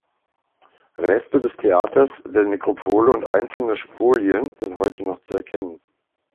Reste des Theaters, der Nekropole und einzelne Spolien sind heute noch zu erkennen.